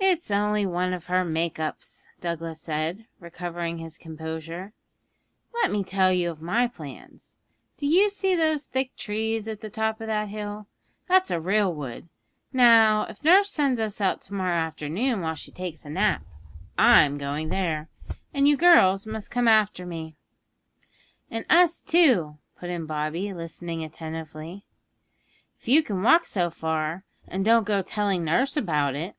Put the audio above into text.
'It's only one of her make ups,' Douglas said, recovering his composure. 'Let me tell you of my plans. Do you see those thick trees at the top of that hill? That's a real wood. Now, if nurse sends us out tomorrow afternoon while she takes a nap, I'm going there, and you girls must come after me.' 'And us, too,' put in Bobby, listening attentively. 'If you can walk so far, and don't go telling nurse about it.'